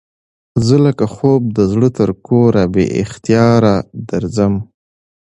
زه لکه خوب د زړه تر کوره بې اختیاره درځم